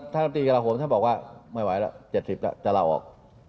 ท่านน้ำตีกลาโหมฉันบอกว่าไม่ไหวแล้ว๗๐แล้วจะลาออก